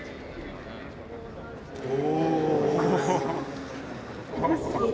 お。